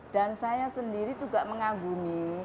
dan saya sendiri tuh gak mengagumi